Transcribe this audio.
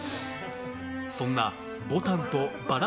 そんな「牡丹と薔薇」